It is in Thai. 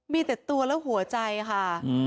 มีแต่ตัวและหัวใจค่ะ